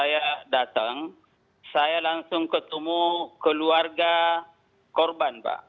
saya datang saya langsung ketemu keluarga korban pak